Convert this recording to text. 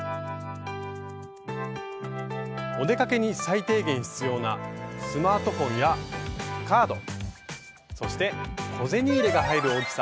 お出かけに最低限必要なスマートフォンやカードそして小銭入れが入る大きさ。